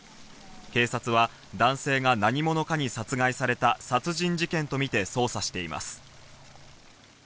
警察は男性が何者かに殺害された殺人事件とみて捜査しています。